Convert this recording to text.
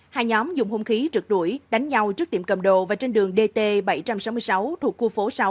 hai nhóm dùng hung khí trực đuổi đánh nhau trước tiệm cầm đồ và trên đường dt bảy trăm sáu mươi sáu thuộc khu phố sáu